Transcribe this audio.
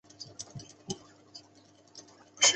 埃舍是德国下萨克森州的一个市镇。